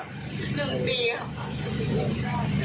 หนึ่งปีครับ